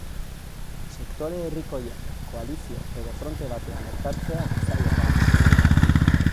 Sektore herrikoiak koalizio edo fronte batean elkartzea zaila da.